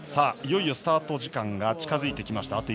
いよいよスタート時間が近づいてきました。